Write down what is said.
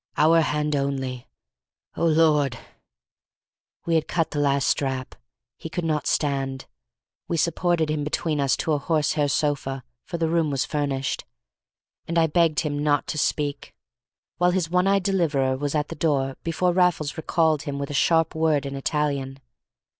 Hour hand only—O Lord!" We had cut the last strap. He could not stand. We supported him between us to a horsehair sofa, for the room was furnished, and I begged him not to speak, while his one eyed deliverer was at the door before Raffles recalled him with a sharp word in Italian.